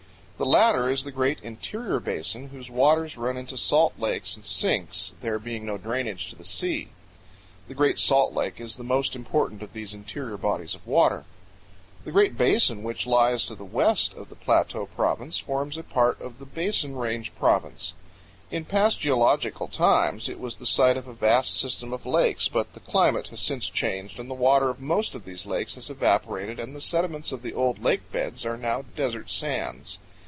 The latter is the great interior basin whose waters run into salt lakes and sinks, there being no drainage to the sea. The Great Salt Lake is the most important of these interior bodies of water. The Great Basin, which lies to the west of the Plateau Province, forms a part of the Basin Range Province. In past geological times it was the site of a vast system of lakes, but the climate has since changed and the water of most of these lakes has evaporated and the sediments of the old lake beds are now desert sands.